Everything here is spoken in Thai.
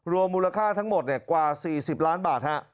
มูลค่าทั้งหมดกว่า๔๐ล้านบาท